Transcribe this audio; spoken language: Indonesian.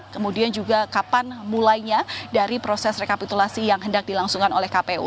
kemudian juga kapan mulainya dari proses rekapitulasi yang hendak dilangsungkan oleh kpu